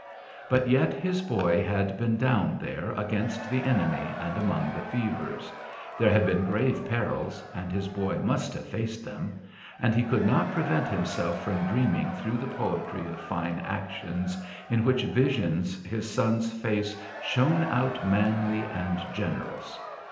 But yet his boy had been down there against the enemy and among the fevers. There had been grave perils, and his boy must have faced them. And he could not prevent himself from dreaming through the poetry of fine actions in which visions his son's face shone out manly and generous.